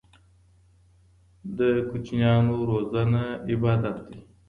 د کوچنيانو روزنه عبادت دی.